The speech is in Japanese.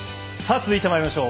続いてまいりましょう